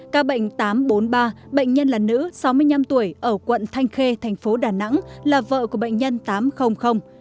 ca bệnh tám trăm bốn mươi ba bệnh nhân là nữ sáu mươi năm tuổi ở quận thanh khê thành phố đà nẵng là vợ của bệnh nhân tám trăm linh